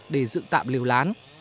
để dựng tạm lều lán